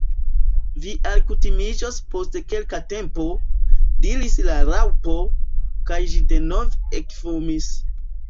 "Vi alkutimiĝos post kelka tempo," diris la Raŭpo, kaj ĝi denove ekfumis.